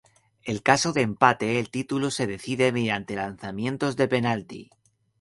En caso de empate, el título se decide mediante lanzamientos de penalti.